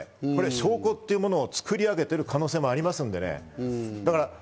証拠というものを作り上げてる可能性もありますんでね。